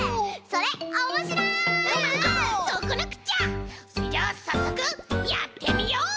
それじゃあさっそくやってみよう！